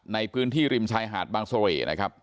ในพื้นที่ริมชายหาดบางเสร่นะครับ